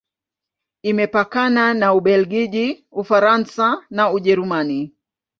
Imepakana na Ubelgiji, Ufaransa na Ujerumani.